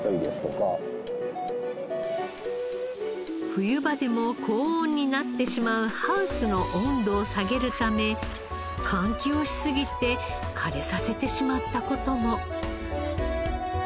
冬場でも高温になってしまうハウスの温度を下げるため換気をしすぎて枯れさせてしまった事も。